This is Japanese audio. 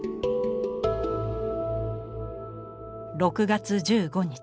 「６月１５日